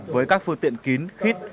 với các phương tiện kín khít